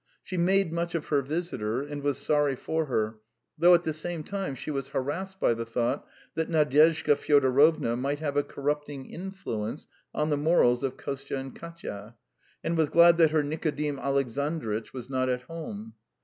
... She made much of her visitor, and was sorry for her, though at the same time she was harassed by the thought that Nadyezhda Fyodorovna might have a corrupting influence on the morals of Kostya and Katya, and was glad that her Nikodim Alexandritch was not at home.